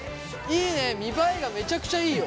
いいね見栄えがめちゃくちゃいいよ。